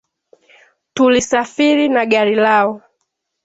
Tulisafiri na gari lao